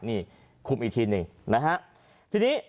นี่ขุมอีกทีหนึ่ง